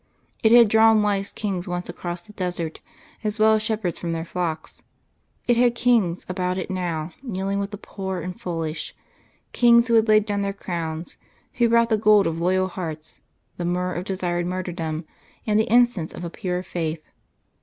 It had drawn wise Kings once across the desert, as well as shepherds from their flocks. It had kings about it now, kneeling with the poor and foolish, kings who had laid down their crowns, who brought the gold of loyal hearts, the myrrh of desired martyrdom, and the incense of a pure faith.